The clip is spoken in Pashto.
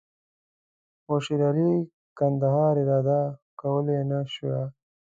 خو شېرعلي کندهار اداره کولای نه شوای.